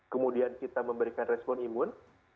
kemudian kita memberikan respon imun